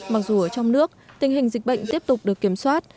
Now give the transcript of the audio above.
mặc dù ở trong nước tình hình dịch bệnh tiếp tục được kiểm soát